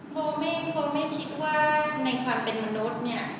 โบไม่คิดว่าในความเป็นมนุษย์เนี่ย